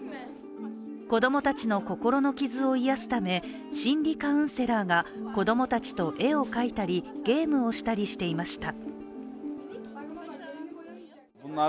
子供たちの心の傷を癒やすため心理カウンセラーが子供たちと絵を描いたり、ゲームをしたりしていました。